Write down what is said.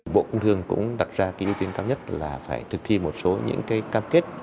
bộ công thương cũng đặt ra cái ưu tiên cao nhất là phải thực thi một số những cái cam kết